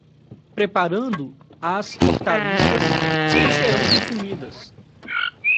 Preparando as hortaliças que serão consumidas